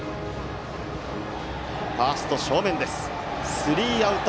ファースト正面、スリーアウト。